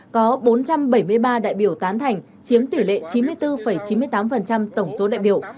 có bốn trăm bảy mươi ba đại biểu tán thành chiếm tỷ lệ chín mươi bốn chín mươi tám tổng số đại biểu